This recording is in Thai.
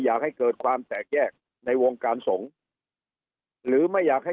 อยากให้เกิดความแตกแยกในวงการสงฆ์หรือไม่อยากให้